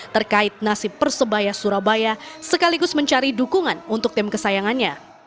terkait nasib persebaya surabaya sekaligus mencari dukungan untuk tim kesayangannya